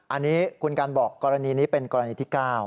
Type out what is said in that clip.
อันนี้คุณกันบอกกรณีนี้เป็นกรณีที่๙